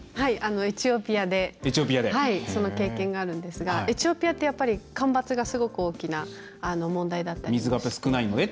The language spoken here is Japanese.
エチオピアでその経験があるんですがエチオピアって干ばつがすごく大きな問題だったりもして。